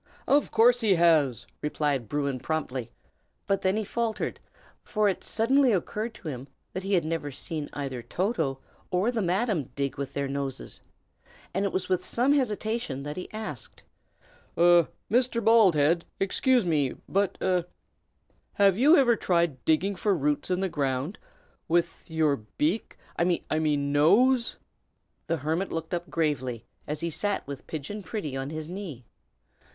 "Of course he has!" replied Bruin, promptly; but then he faltered, for it suddenly occurred to him that he had never seen either Toto or the Madam dig with their noses; and it was with some hesitation that he asked: "Mr. Baldhead excuse me! but a have you ever tried digging for roots in the ground with your beak I mean, nose?" The hermit looked up gravely, as he sat with Pigeon Pretty on his knee.